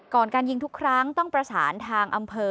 การยิงทุกครั้งต้องประสานทางอำเภอ